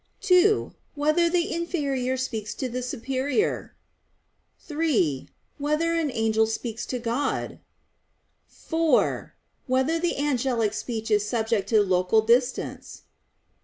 (2) Whether the inferior speaks to the superior? (3) Whether an angel speaks to God? (4) Whether the angelic speech is subject to local distance?